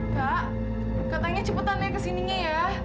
kak katanya cepetannya kesininya ya